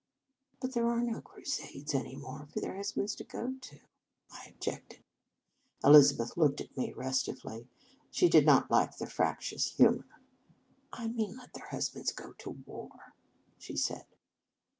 "But there are no Crusades any more for their husbands to go to," I objected. Elizabeth looked at me restively. She did not like this fractious humour. " I mean let their husbands go to war," she said.